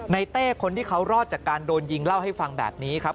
เต้คนที่เขารอดจากการโดนยิงเล่าให้ฟังแบบนี้ครับ